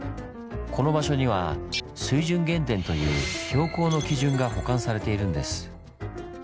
この場所には「水準原点」という標高の基準が保管されているんです。